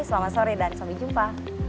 selamat sore dan sampai jumpa